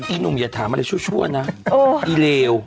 หนุ่มอย่าถามอะไรชั่วนะอีเลว